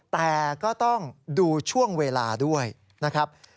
แต่ก็ต้องดูช่วงเวลาด้วยนะครับ